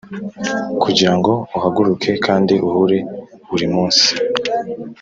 kugirango uhaguruke kandi uhure buri munsi,